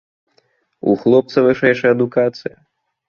У хлопца вышэйшая адукацыя.